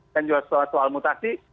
dan juga soal mutasi